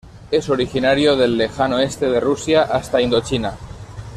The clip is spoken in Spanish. Es originario del lejano este de Rusia hasta Indochina.